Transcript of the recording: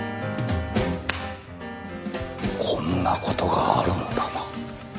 こんな事があるんだな。